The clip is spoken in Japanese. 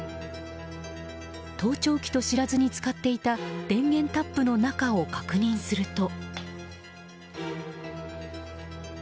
盗聴器と知らずに使っていた電源タップの中を確認すると。